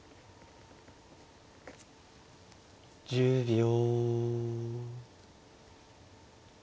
１０秒。